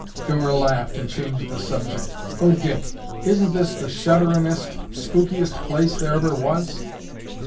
Dora laughed and changed the subject. "Oh, Dick, isn't this the shudderin'est, spookiest place there ever was?"